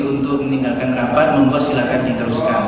untuk meninggalkan rapat mohon bos silakan diteruskan